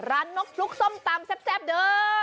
ร้านนกลุ๊กส้มตำแซ่บเด้อ